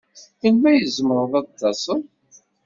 Melmi ay tzemreḍ ad d-taseḍ?